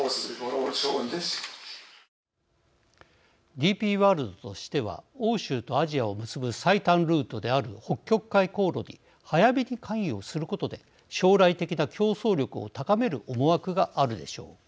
ＤＰワールドとしては欧州とアジアを結ぶ最短ルートである北極海航路に早めに関与することで将来的な競争力を高める思惑があるでしょう。